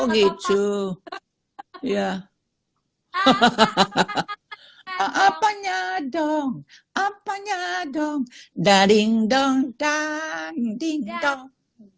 oh gitu ya hahaha apanya dong apanya dong daring dong dan ding dong